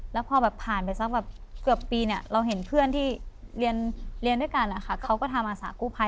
แล้วพอแบบผ่านไปสักแบบเกือบปีเนี่ยเราเห็นเพื่อนที่เรียนด้วยกันนะคะเขาก็ทำอาสากู้ภัย